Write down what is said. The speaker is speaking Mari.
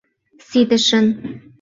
Ситышын.